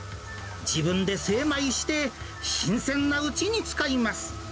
自分で精米して、新鮮なうちに使います。